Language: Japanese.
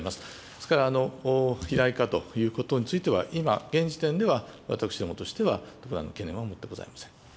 ですから、肥大化ということについては、今、現時点では、私どもとしては特段懸念は持ってございません。